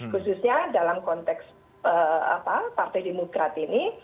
khususnya dalam konteks partai demokrat ini